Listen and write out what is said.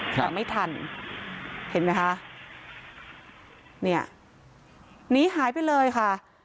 แต่ไม่ทันเห็นไหมคะเนี่ยหนีหายไปเลยค่ะ